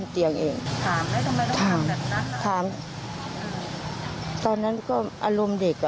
ตอนนั้นก็อารมณ์เด็กอ่ะ